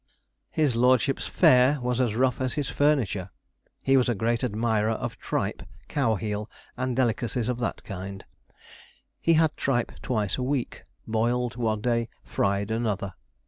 His lordship's fare was as rough as his furniture. He was a great admirer of tripe, cow heel, and delicacies of that kind; he had tripe twice a week boiled one day, fried another.